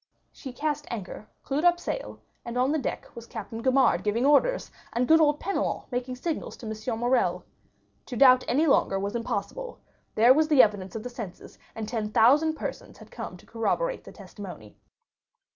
She cast anchor, clued up sails, and on the deck was Captain Gaumard giving orders, and good old Penelon making signals to M. Morrel. To doubt any longer was impossible; there was the evidence of the senses, and ten thousand persons who came to corroborate the testimony.